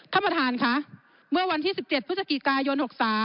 ท่านประธานค่ะเมื่อวันที่๑๗พฤศจิกายน๖๓